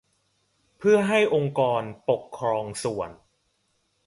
เพื่อให้องค์กรปกครองส่วน